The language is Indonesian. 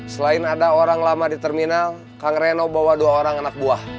selain ada orang lama di terminal kang reno bawa dua orang anak buah